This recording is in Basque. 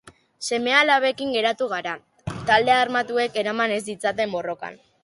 Seme-alabekin geratu gara, talde armatuek eraman ez ditzaten borrokan.